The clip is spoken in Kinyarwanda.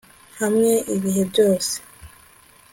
hamwe ibihe byose